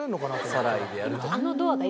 『サライ』でやるとか。